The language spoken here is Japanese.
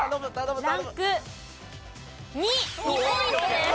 ２ポイントです。